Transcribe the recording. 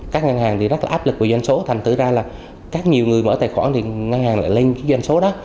các ngân hàng rất là áp lực vì doanh số thành tự ra là các nhiều người mở tài khoản ngân hàng lại lên doanh số đó